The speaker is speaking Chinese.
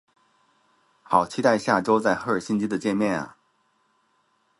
好期待下周在赫尔辛基的见面啊